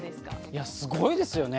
いやすごいですよね。